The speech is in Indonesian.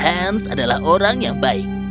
ans adalah orang yang baik